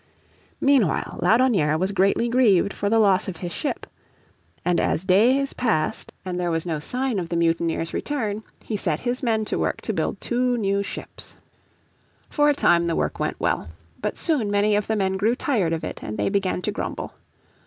Meanwhile Laudonnière was greatly grieved for the loss of his ship. And as days passed, and there was no sign of the mutineers' return, he set his men to work to build two new ships. For a time the work went well. But soon many of the men grew tired of it and they began to grumble.